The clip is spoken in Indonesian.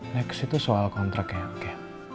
next itu soal kontraknya oke